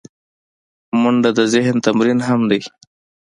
منډه د ذهن تمرین هم دی